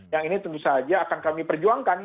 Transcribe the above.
yang ini tentu saja akan kami perjuangkan